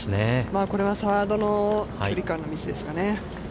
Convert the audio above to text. これはサードの距離感のミスですかね。